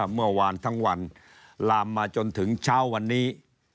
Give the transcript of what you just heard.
เมื่อวานทั้งวันลามมาจนถึงเช้าวันนี้